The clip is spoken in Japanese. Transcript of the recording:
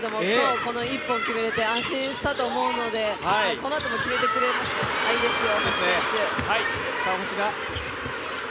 この１本を決めれて安心したと思うので、このあとも決めてくれると思いますよ。